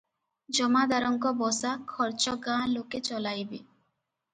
"ଜମାଦାରଙ୍କ ବସା ଖର୍ଚ୍ଚ ଗାଁ ଲୋକେ ଚଳାଇବେ ।